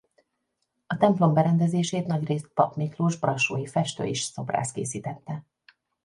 A templom berendezését nagyrészt Papp Miklós brassói festő és szobrász készítette.